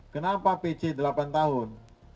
kenapa pc delapan tahun